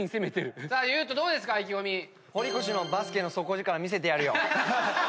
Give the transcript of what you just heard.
堀越のバスケの底力見せてやるよ。